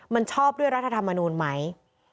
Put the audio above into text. มันชอบด้วยรัฐธรรมนูลไหม